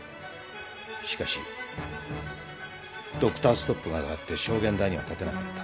しかしドクターストップがかかって証言台には立てなかった。